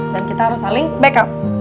dan kita harus saling backup